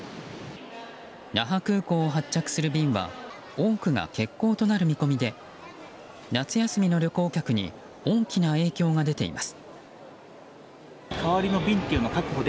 那覇空港を発着する便は多くが欠航となる見込みで夏休みの旅行客に大きな影響が出ています。